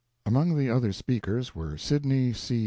Among the other speakers were Sydney C.